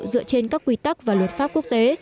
dựa trên các quy tắc và luật pháp quốc tế